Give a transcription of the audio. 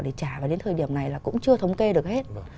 để trả và đến thời điểm này là cũng chưa thống kê được hết